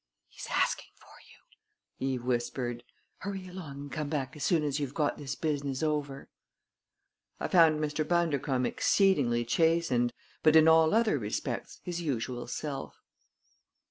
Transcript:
"He is asking for you," Eve whispered. "Hurry along and come back as soon as you've got this business over." I found Mr. Bundercombe exceedingly chastened, but in all other respects his usual self.